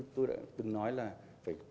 tôi đã từng nói là phải